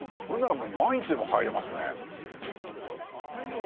これならもう毎日でも入れますね。